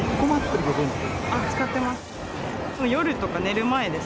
使ってます。